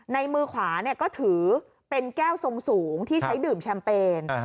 ในมือขวาก็ถือเป็นแก้วทรงสูงที่ใช้ดื่มแชมเปญ